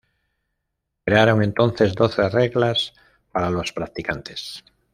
Crearon entonces doce reglas para los practicantes.